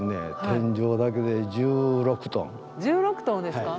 天井だけで１６トンですか？